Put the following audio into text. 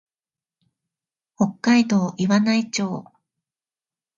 北海道岩内町